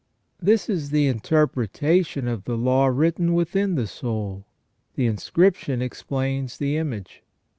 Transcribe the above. This is the interpretation of the law written within the soul. The inscription explains the image.